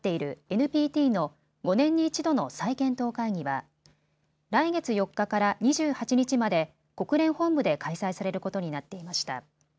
ＮＰＴの５年に１度の再検討会議は来月４日から２８日まで国連本部で開催されることになっていました。